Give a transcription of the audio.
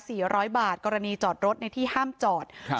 ร้อยบาทกรณีจอดรถในที่ห้ามจอดครับ